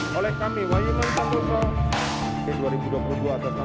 pemerintahkan terdakwa tersebut akan dikurangkan dengan lamanya terdakwa berada dalam tahanan